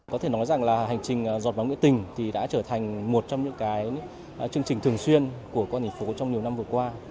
có thể nói rằng là hành trình giọt máu nguyễn tình thì đã trở thành một trong những cái chương trình thường xuyên của quân hình phố trong nhiều năm vừa qua